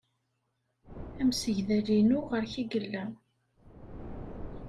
Amsegdal-inu ɣer-k ay yella.